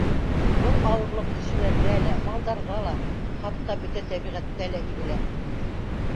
Был ауырлыҡ кешеләрҙә лә, малдарҙа ла, хатта бөтә тәбиғәттә лә һиҙелә.